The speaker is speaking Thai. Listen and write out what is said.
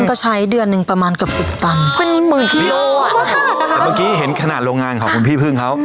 ก็ใช้เดือนหนึ่งประมาณเกือบสิบตังค์เป็นหมื่นกิโลอ่ะแต่เมื่อกี้เห็นขนาดโรงงานของคุณพี่พึ่งเขา